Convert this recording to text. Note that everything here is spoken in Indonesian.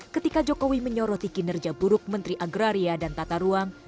ketika jokowi menyoroti kinerja buruk menteri agraria dan tata ruang